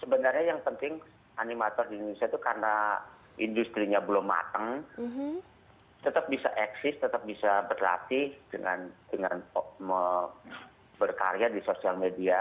sebenarnya yang penting animator di indonesia itu karena industri nya belum matang tetap bisa eksis tetap bisa berlatih dengan berkarya di sosial media